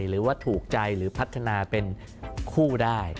หรือว่าถูกใจหรือพัฒนาเป็นคู่ได้